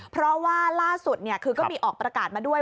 เพราะว่าล่าสุดคือก็มีออกประกาศมาด้วย